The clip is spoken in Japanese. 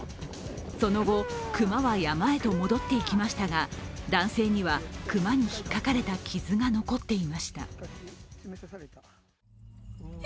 その後、熊は山へと戻っていきましたが、男性には熊にひっかかれた傷が残っていました